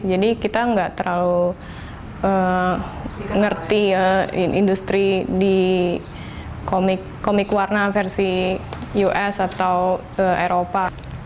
jadi kita nggak terlalu ngerti industri di komik warna versi us atau eropa